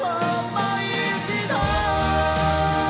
もう一度、、」